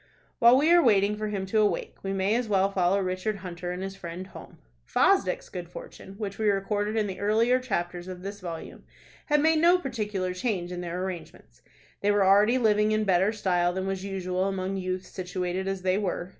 While we are waiting for him to awake, we may as well follow Richard Hunter and his friend home. Fosdick's good fortune, which we recorded in the earlier chapters of this volume had made no particular change in their arrangements. They were already living in better style than was usual among youths situated as they were.